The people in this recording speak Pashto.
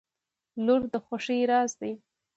• لور د خوښۍ راز دی.